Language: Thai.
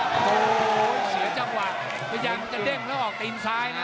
โธ่เสียจังหวะมันจะเด้งแล้วออกตีนซ้ายนะ